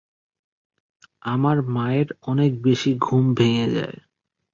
আমার মায়ের অনেক বেশি ঘুম ভেঙ্গে যায়।